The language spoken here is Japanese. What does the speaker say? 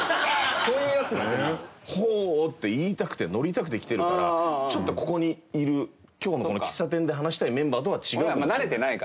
「Ｈｏ」って言いたくてノリたくて来てるからちょっとここにいる今日のこの喫茶店で話したいメンバーとは違うかもしれない。